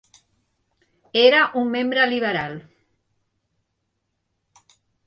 Era un membre liberal.